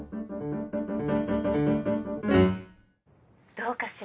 どうかしら？